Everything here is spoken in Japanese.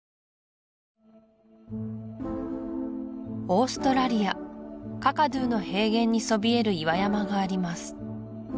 オーストラリアカカドゥの平原にそびえる岩山があります